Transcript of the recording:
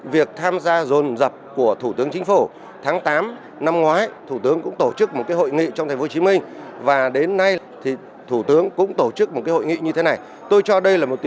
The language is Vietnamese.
với sự tham dự của thủ tướng nguyễn xuân phúc lãnh đạo các bộ ban ngành các tổ chức